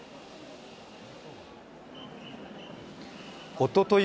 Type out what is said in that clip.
おととい